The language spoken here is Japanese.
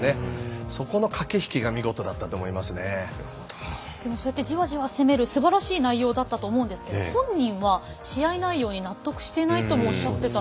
そこの駆け引きがそうやってじわじわ攻めるすばらしい内容だったと思いますが、本人は試合内容に納得していないともおっしゃっていました。